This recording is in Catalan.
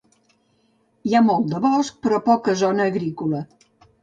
Hi ha molt de bosc però poca zona agrícola.